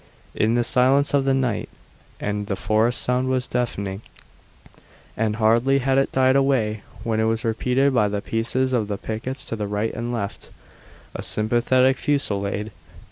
In the silence of the night and the forest the sound was deafening, and hardly had it died away when it was repeated by the pieces of the pickets to right and left, a sympathetic fusillade.